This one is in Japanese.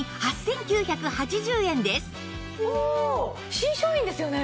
新商品ですよね？